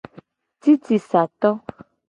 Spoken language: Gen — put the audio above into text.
Cicisato.